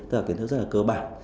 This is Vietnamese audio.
tức là kiến thức rất là cơ bản